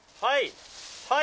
「はい。